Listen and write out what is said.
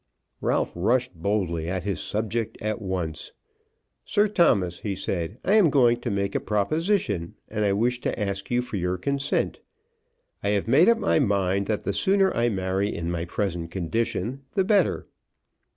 Ralph rushed boldly at his subject at once. "Sir Thomas," he said, "I am going to make a proposition, and I wish to ask you for your consent. I have made up my mind that the sooner I marry in my present condition the better."